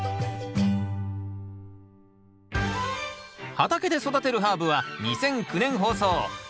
「畑で育てるハーブ」は２００９年放送うん！